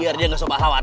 biar dia gak sopan lawan